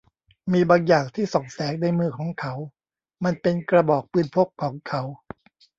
มีบางอย่างที่ส่องแสงในมือของเขา มันเป็นกระบอกปืนพกของเขา